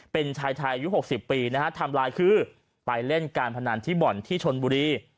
เป็นชายไทยอายุ๖๐ปีนะฮะทำลายคือไปเล่นการพนันที่บ่อนที่ชนบุรี